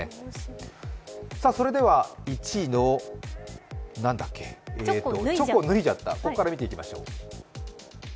それでは、１位のチョコぬいじゃった！から見ていきましょう。